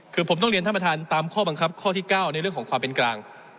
คือผมต้องเรียนท่านประธานตามข้อบังคับข้อที่๙ในเรื่องของความเป็นกลาง